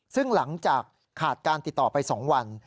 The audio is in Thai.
ซึ่งหลังจากขาดการติดต่อไป๒วัน